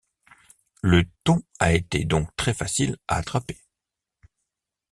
Le ton a été donc très facile à attraper.